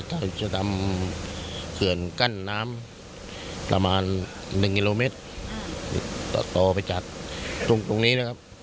ถ้าจะทำเขื่อนกั้นน้ำประมาณ๑กิโลเมตรต่อไปจากตรงนี้นะครับ